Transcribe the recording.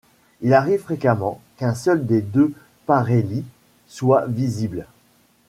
Il arrive fréquemment qu'un seul des deux parhélies soit visible.